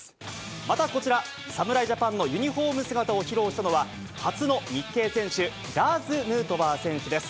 またこちら、侍ジャパンのユニホーム姿を披露したのは、初の日系選手、ラーズ・ヌートバー選手です。